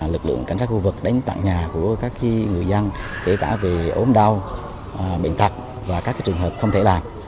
lực lượng cảnh sát khu vực đến tận nhà của các người dân kể cả về ốm đau bệnh tật và các trường hợp không thể làm